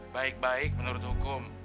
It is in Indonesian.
baik baik menurut hukum